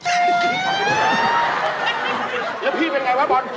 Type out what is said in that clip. แล้วพี่เป็นอย่างไรวะบอล